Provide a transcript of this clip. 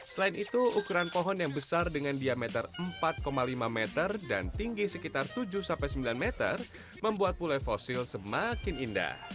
selain itu ukuran pohon yang besar dengan diameter empat lima meter dan tinggi sekitar tujuh sembilan meter membuat pule fosil semakin indah